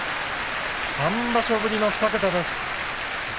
３場所ぶりの２桁です。